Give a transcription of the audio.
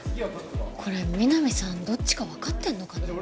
これみなみさんどっちか分かってんのかな？